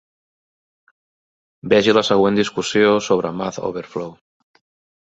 Vegi la següent discussió sobre MathOverflow.